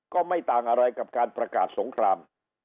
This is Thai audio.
ก็ไม่ต่างอะไรกับการประกาศสงคราม